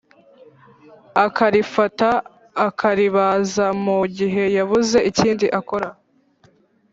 akarifata, akaribaza mu gihe yabuze ikindi akora,